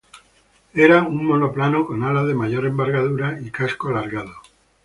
Era un monoplano con alas de mayor envergadura y casco alargado.